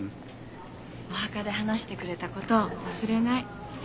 お墓で話してくれたこと忘れない。